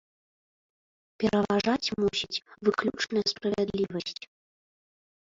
Пераважаць мусіць выключная справядлівасць!